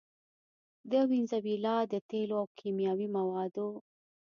د وينزويلا د تېلو او کيمياوي موادو